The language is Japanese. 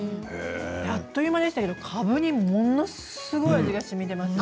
あっという間ですがかぶに、ものすごい味がしみていますね。